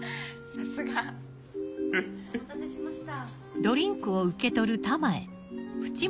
さすが。お待たせしました。